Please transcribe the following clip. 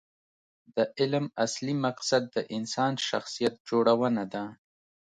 د علم اصلي مقصد د انسان شخصیت جوړونه ده.